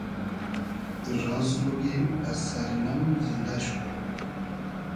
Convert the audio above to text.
راس بوگیم از سئری نۆ زیندۂ شودوم